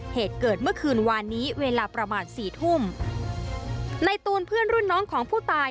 เหตุเกิดเมื่อคืนวานนี้เวลาประมาณสี่ทุ่มในตูนเพื่อนรุ่นน้องของผู้ตาย